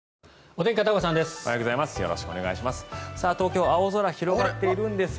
おはようございます。